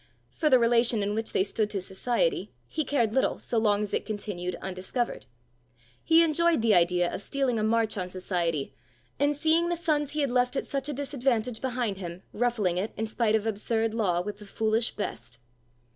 For the relation in which they stood to society, he cared little so long as it continued undiscovered. He enjoyed the idea of stealing a march on society, and seeing the sons he had left at such a disadvantage behind him, ruffling it, in spite of absurd law, with the foolish best.